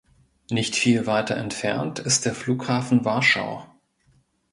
Nicht viel weiter entfernt ist der Flughafen Warschau.